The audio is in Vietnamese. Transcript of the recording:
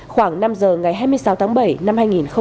khoảng năm giờ ngày hai mươi sáu tháng bảy năm hai nghìn một mươi sáu